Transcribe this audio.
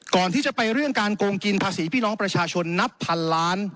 ก่อนที่จะไปเรื่องการโกงกินภาษีพี่น้องประชาชนนับพันล้าน